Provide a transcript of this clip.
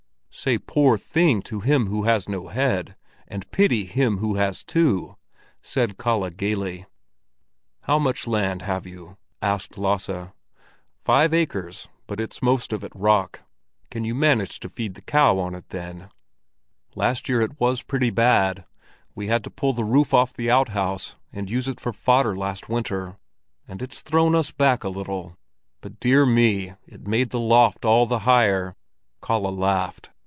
"Say 'poor thing' to him who has no head, and pity him who has two," said Kalle gaily. "How much land have you?" asked Lasse. "Five acres; but it's most of it rock." "Can you manage to feed the cow on it then?" "Last year it was pretty bad. We had to pull the roof off the outhouse, and use it for fodder last winter; and it's thrown us back a little. But dear me, it made the loft all the higher." Kalle laughed.